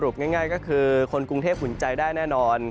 สรุปง่ายก็คือคนกรุงเทพภูมิใจได้แน่นอน